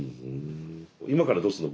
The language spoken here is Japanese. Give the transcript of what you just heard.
今からどうするの？